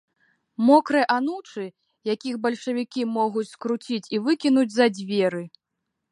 Мокрыя анучы, якіх бальшавікі могуць скруціць і выкінуць за дзверы.